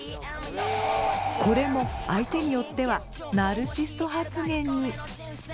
これも相手によってはナルシスト発言に。